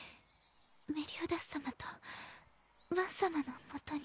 メリオダス様とバン様のもとに。